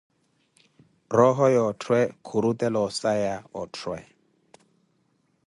Rooho ya Othwe khurutela osaya, otthwe.